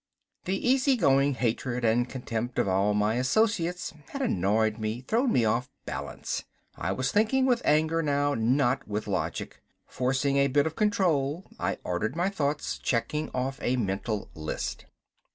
The easy going hatred and contempt of all my associates had annoyed me, thrown me off balance. I was thinking with anger now, not with logic. Forcing a bit of control, I ordered my thoughts, checking off a mental list.